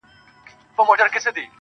د زړه په كور كي دي بل كور جوړكړی_